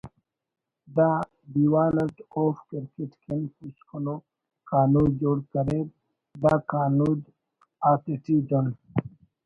دا دیوان اٹ اوفک کرکٹ کن پوسکن ءُ کانود جوڑ کریر دا کانود آتیٹی دن